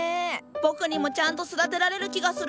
僕にもちゃんと育てられる気がするよ。